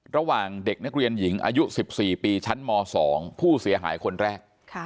ระหว่างเด็กนักเรียนหญิงอายุ๑๔ปีชั้นม๒ผู้เสียหายคนแรก